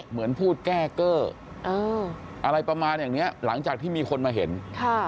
เหมือนพูดแก้เกอร์อะไรประมาณอย่างเนี้ยหลังจากที่มีคนมาเห็นค่ะ